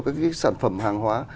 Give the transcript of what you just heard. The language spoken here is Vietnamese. các cái sản phẩm hàng hóa